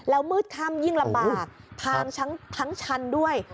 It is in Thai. แล้วมืดค่ำยิ่งลำบากพังทั้งชันด้วย